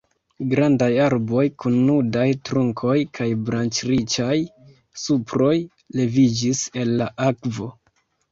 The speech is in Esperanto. Grandaj arboj kun nudaj trunkoj kaj branĉriĉaj suproj leviĝis el la akvo.